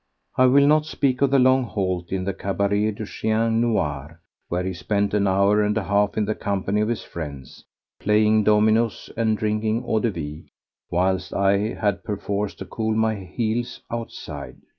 I will not speak of the long halt in the cabaret du Chien Noir, where he spent an hour and a half in the company of his friends, playing dominoes and drinking eau de vie whilst I had perforce to cool my heels outside.